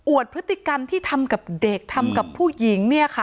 พฤติกรรมที่ทำกับเด็กทำกับผู้หญิงเนี่ยค่ะ